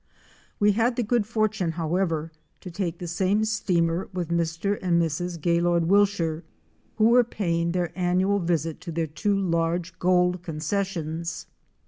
We had the good fortune, however, to take the same steamer with Mr. and Mrs. Gaylord Wilshire who were paying their annual visit to their two large gold concessions.